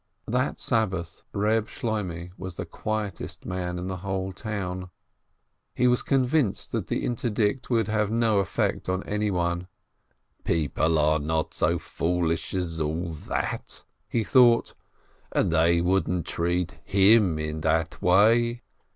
That Sabbath Eeb Shloimeh was the quietest man in the whole town. He was convinced that the interdict EEB SHLOIMEH 337 would have no effect on anyone. "People are not so foolish as all that," he thought, "and they wouldn't treat him in that way